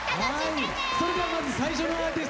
それではまず最初のアーティストの方です。